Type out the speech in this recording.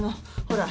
ほら。